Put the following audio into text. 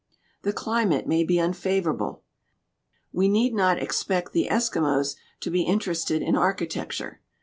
"The climate may be unfavorable; we need not expect the Eskimos to be interested in archi tecture.